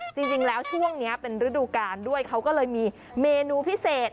จริงแล้วช่วงนี้เป็นฤดูกาลด้วยเขาก็เลยมีเมนูพิเศษ